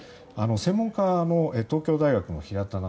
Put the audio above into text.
専門家も東京大学の平田直